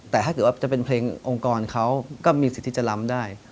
แต่ถ้าเกิดว่าจะเป็นเพลงองค์กรเขาก็มีสิทธิ์ที่จะล้ำได้